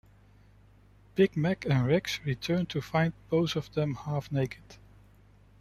Big Mac and Rex return to find both of them half naked.